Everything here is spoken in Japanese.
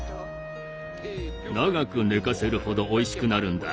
長く寝かせるほどおいしくなるんだ。